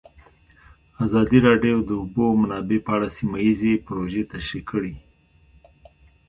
ازادي راډیو د د اوبو منابع په اړه سیمه ییزې پروژې تشریح کړې.